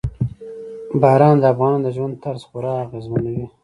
باران د افغانانو د ژوند طرز خورا اغېزمنوي.